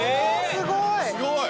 すごい！